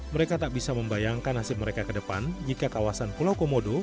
mereka tak bisa membayangkan nasib mereka ke depan jika kawasan pulau komodo